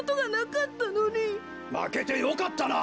まけてよかったな。